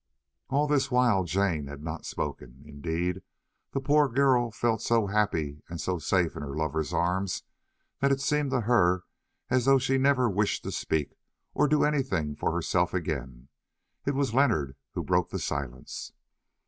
All this while Jane had not spoken. Indeed, the poor girl felt so happy and so safe in her lover's arms that it seemed to her as though she never wished to speak, or to do anything for herself again. It was Leonard who broke the silence.